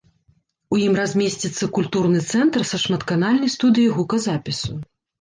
У ім размесціцца культурны цэнтр са шматканальнай студыяй гуказапісу.